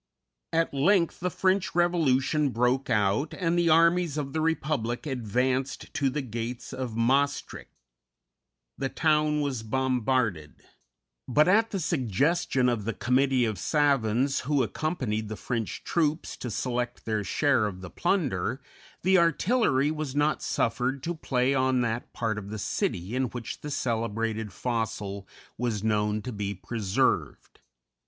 At length the French Revolution broke out, and the armies of the Republic advanced to the gates of Maestricht. The town was bombarded; but, at the suggestion of the committee of savans who accompanied the French troops to select their share of the plunder, the artillery was not suffered to play on that part of the city in which the celebrated fossil was known to be preserved.